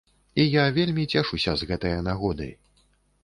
І я вельмі цешуся з гэтае нагоды.